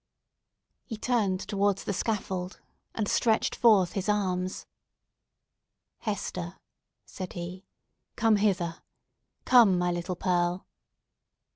He turned towards the scaffold, and stretched forth his arms. "Hester," said he, "come hither! Come, my little Pearl!"